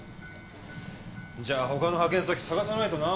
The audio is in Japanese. じゃあ他の派遣先探さないとな。